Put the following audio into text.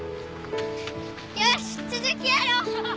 よし続きやろう！